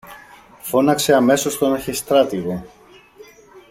Φώναξε αμέσως τον αρχιστράτηγο